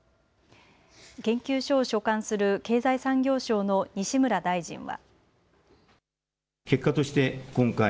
研究所を所管する経済産業省の西村大臣は。